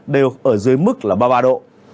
đều ở dưới mức ba mươi ba độ